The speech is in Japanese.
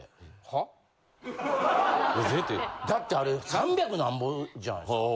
だってあれ３００なんぼじゃないですか。